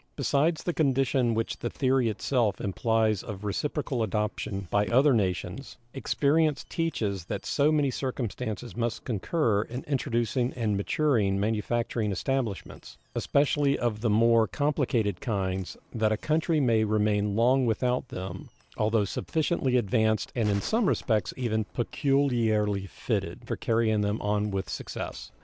Besides the condition which the theory itself implies of reciprocal adoption by other nations, experience teaches that so many circumstances must concur in introducing and maturing manufacturing establishments, especially of the more complicated kinds, that a country may remain long without them, although sufficiently advanced and in some respects even peculiarly fitted for carrying them on with success.